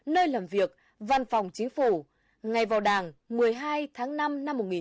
nơi làm việc văn phòng chính phủ ngày vào đảng một mươi hai tháng năm năm một nghìn chín trăm tám mươi hai